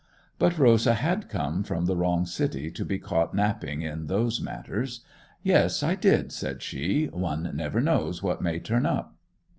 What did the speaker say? But Rosa had come from the wrong city to be caught napping in those matters. 'Yes, I did,' said she. 'One never knows what may turn up.